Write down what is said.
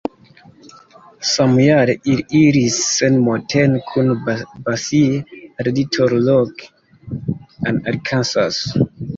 Samjare ili iris sen Moten kun Basie al Little Rock en Arkansaso.